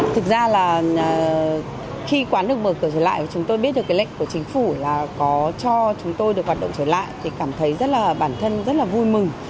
thực ra là khi quán được mở cửa trở lại thì chúng tôi biết được cái lệnh của chính phủ là có cho chúng tôi được hoạt động trở lại thì cảm thấy rất là bản thân rất là vui mừng